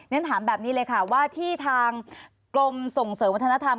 ฉันถามแบบนี้เลยค่ะว่าที่ทางกรมส่งเสริมวัฒนธรรม